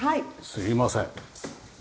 すいません。